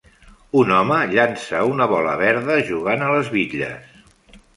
Un home llança una bola verda jugant a les bitlles.